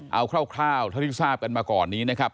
เอาคร่าวเท่าที่ทราบกันมาก่อนนี้นะครับ